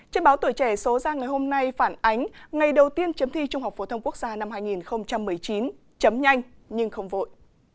trên báo tuổi trẻ số ra ngày hôm nay phản ánh ngày đầu tiên chấm thi trung học phổ thông quốc gia năm hai nghìn một mươi chín chấm nhanh nhưng không vội